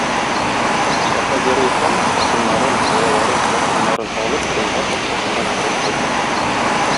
Сафа Гәрәй хан хатыннарын, балаларын, якыннарын алып Болгар капкасыннан чыгып кача.